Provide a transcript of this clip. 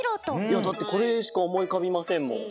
いやだってこれしかおもいうかびませんもん。